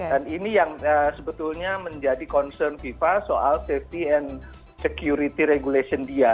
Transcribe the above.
dan ini yang sebetulnya menjadi concern fifa soal safety and security regulation dia